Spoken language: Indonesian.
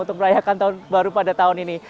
untuk merayakan tahun baru pada tahun ini